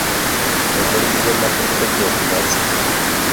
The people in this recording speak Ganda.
Omulimu gwenakulekedde ogumazze?